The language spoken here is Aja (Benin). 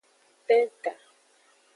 Penta.